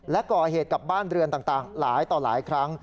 และก่อเหตุกับบ้านเรือนต่างหลายต่อหลายครั้ง